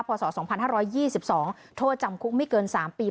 ศ๒๕๒๒โทษจำคุกไม่เกิน๓ปี